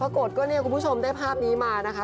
ปรากฏก็เนี่ยคุณผู้ชมได้ภาพนี้มานะคะ